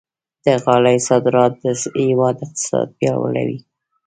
د غالۍ صادرات د هېواد اقتصاد پیاوړی کوي.